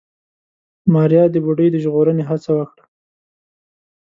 ماريا د بوډۍ د ژغورنې هڅه وکړه.